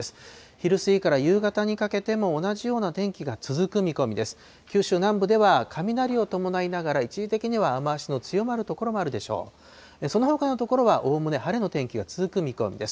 昼過ぎから夕方にかけても同じような天気が続く見込みです。